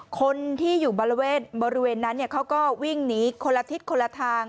คนที่อยู่บริเวณนั้นเขาก็วิ่งหนีคนละทิศคนละทาง